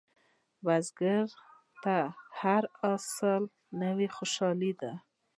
بزګر ته هر حاصل نوې خوشالي ده